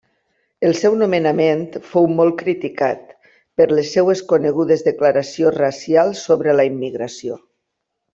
El seu nomenament fou molt criticat per les seves conegudes declaracions racials sobre la immigració.